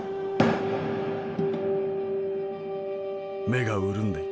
「目が潤んでいた。